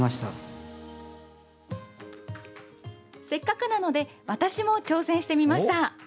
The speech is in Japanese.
せっかくなので私も挑戦してみました。